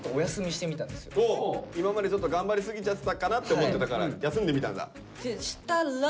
今までちょっと頑張りすぎちゃってたかなって思ってたから休んでみたんだ。